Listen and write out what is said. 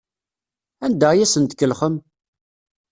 Anda ay asen-tkellxem?